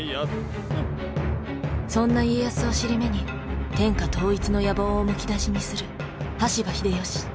そんな家康を尻目に天下統一の野望をむき出しにする羽柴秀吉。